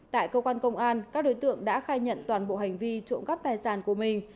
tại cơ quan công an các đối tượng đã khai nhận toàn bộ hành vi trộm cắp tài sản của mình